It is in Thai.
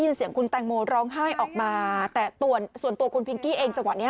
คนที่อยู่ในเม้นต์ก็คือคนทางบ้าน